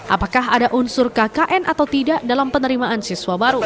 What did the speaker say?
apakah ada unsur kkn atau tidak dalam penerimaan siswa baru